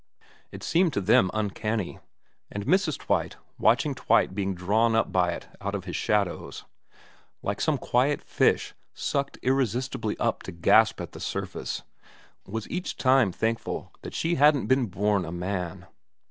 It seemed to them uncanny ; and Mrs. Twite, watching Twite being drawn up by it out of his shadows, like some quiet fish sucked irresistibly up to gasp on the surface, was each time thankful that she hadn't been born a man.